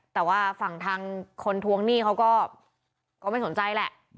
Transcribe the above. แต่ว่าฝั่งทางคนทวงหนี้เขาก็ไม่สนใจแหละ